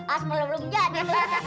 asmalah belum jadi